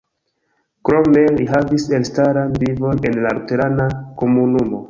Krome li havis elstaran vivon en la luterana komunumo.